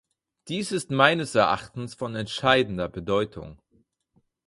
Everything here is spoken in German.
Dies ist meines Erachtens von entscheidender Bedeutung.